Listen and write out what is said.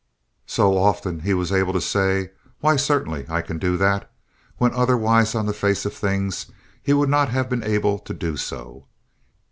So, often he was able to say, "Why, certainly, I can do that," when otherwise, on the face of things, he would not have been able to do so.